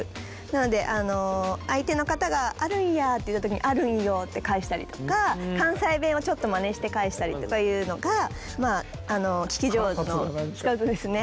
なので相手の方があるんやって言った時にあるんよって返したりとか関西弁をちょっとまねして返したりとかいうのが聞き上手の一つですね。